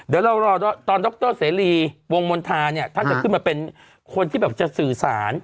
เดี๋ยวเรารอตอนดรเสรีวงมณฑาเนี่ยท่านจะขึ้นมาเป็นคนที่แบบจะสื่อสาร